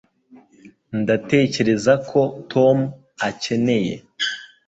Ndatekereza ko Tom akeneye